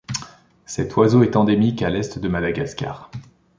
Cet oiseau est endémique à l'est de Madagascar.